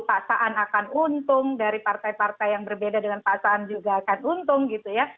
pak saan akan untung dari partai partai yang berbeda dengan pak saan juga akan untung gitu ya